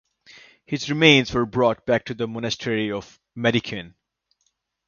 His remains were brought back to the monastery of Medikion.